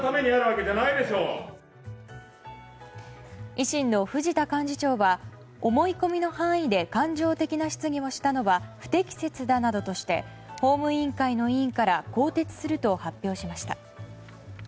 維新の藤田幹事長は思い込みの範囲で感情的な質疑をしたのは不適切だなどとして法務委員会の委員から更迭すると発表しました。